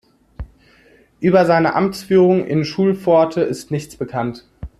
Über seine Amtsführung in Schulpforte ist nichts bekannt.